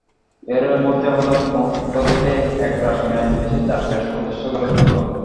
এরই মধ্যে হঠাৎ কোথা থেকে একরাশ মেঘ এসে চারপাশ অদৃশ্য করে ফেলল।